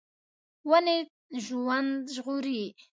ونې ژوند ژغوري.